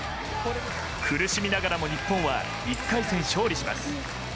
苦しみながらも日本は１回戦勝利します。